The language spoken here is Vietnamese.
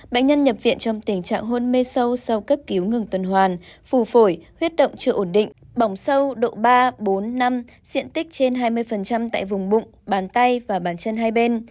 bệnh nhân nhập viện trong tình trạng hôn mê sâu sau cấp cứu ngừng tuần hoàn phù phổi huyết động chưa ổn định bỏng sâu độ ba bốn năm diện tích trên hai mươi tại vùng bụng bàn tay và bàn chân hai bên